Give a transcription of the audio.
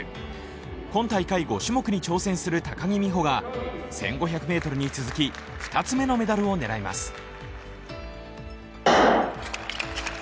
今大会５種目に挑戦する高木美帆が１５００ｍに続き２つ目のメダルを狙います。